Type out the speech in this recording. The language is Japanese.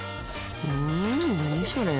うん何それ？